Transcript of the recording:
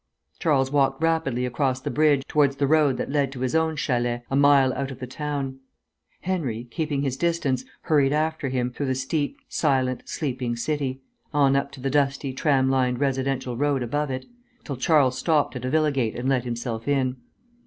Charles walked rapidly across the bridge, towards the road that led to his own châlet, a mile out of the town. Henry, keeping his distance, hurried after him, through the steep, silent, sleeping city, up on to the dusty, tram lined, residential road above it, till Charles stopped at a villa gate and let himself in.